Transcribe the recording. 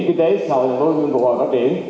kinh tế sau thành phố hồ chí minh phục hồi và phát triển